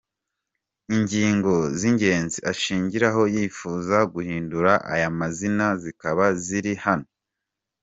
Ingingo z’ingenzi ashingiraho yifuza guhindura aya mazina zikaba ziri hano:.